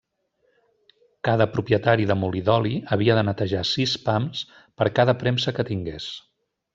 Cada propietari de molí d'oli havia de netejar sis pams per cada premsa que tingués.